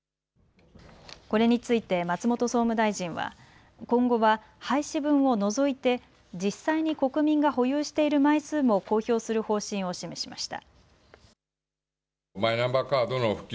これについて松本総務大臣は今後は廃止分を除いて実際に国民が保有している枚数も公表する方針を示しました。